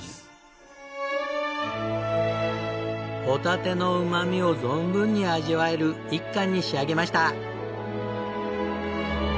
ホタテのうまみを存分に味わえる一貫に仕上げました。